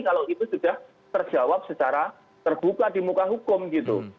kalau itu sudah terjawab secara terbuka di muka hukum gitu